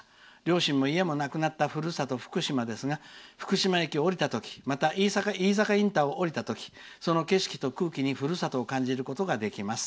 両親も家もなくなったふるさと福島ですが福島駅を降りたときまた、飯坂インターを降りたときその景色と空気にふるさとを感じることができます。